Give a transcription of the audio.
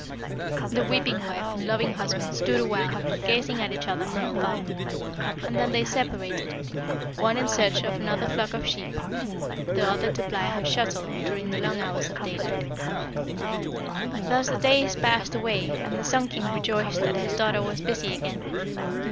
The weeping wife and loving husband stood awhile gazing at each other from afar, and then they separated, one in search of another flock of sheep, the other to ply her shuttle during the long hours of daylight. "Thus the days passed away, and the Sun king rejoiced that his daughter was busy again.